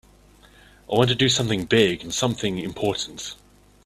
I want to do something big and something important.